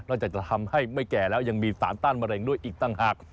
จากจะทำให้ไม่แก่แล้วยังมีสารต้านมะเร็งด้วยอีกต่างหาก